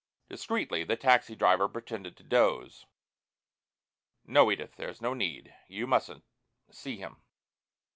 Discretely the taxi driver pretended to doze. "No, Edith! There's no need. You mustn't see him!"